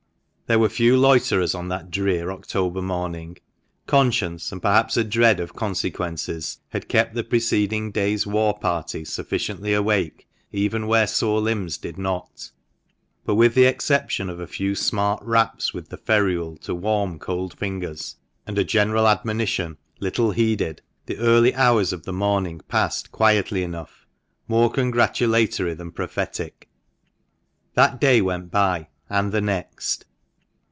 There were few loiterers on that drear October morning. Conscience, and perhaps a dread of consequences, had kept the preceding day's war party sufficiently awake, even where sore limbs did not But, with the exception of a few smart raps with the ferule, to warm cold fingers, and A BLUE COAT BOY. THE REV. JEREMIAH SMITH, D.D. From an EtlflwVlttf. THE MANCHESTER MAN. 97 a general admonition — little heeded — the early hours of the morning passed quietly enough, more congratulatory than prophetic. That day went by, and the next.